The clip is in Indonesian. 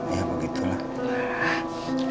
iya begitu lah